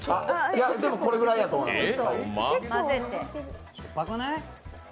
でもこれぐらいやと思います。